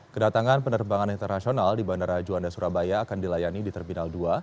kedatangan penerbangan internasional di bandara juanda surabaya akan dilayani di terminal dua